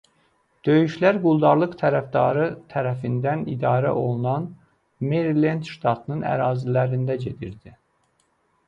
Döyüşlər quldarlıq tərəfdarı tərəfindən idarə olunan Merilend ştatının ərazilərində gedirdi.